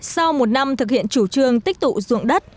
sau một năm thực hiện chủ trương tích tụ dụng đất